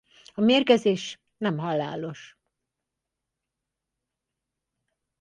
A mérgezés nem halálos.